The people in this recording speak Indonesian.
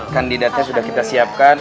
kandidatnya sudah kita siapkan